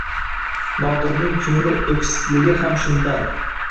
Nodirning ko‘ngli o‘ksikligi ham shundan.